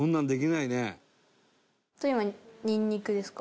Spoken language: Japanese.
それ今ニンニクですか？